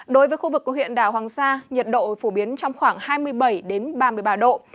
đối với khu vực của huyện đảo hoàng sa nhiệt độ phổ biến trong khoảng hai mươi bảy ba mươi ba độ